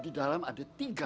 di dalam ada tiga